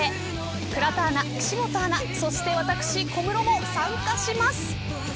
倉田アナ、岸本アナ、そして私小室も参加します。